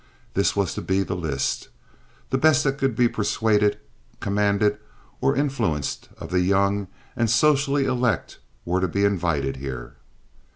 This was to be the list. The best that could be persuaded, commanded, or influenced of the young and socially elect were to be invited here.